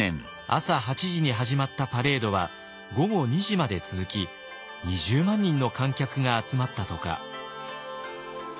朝８時に始まったパレードは午後２時まで続き２０万人の観客が集まったとか。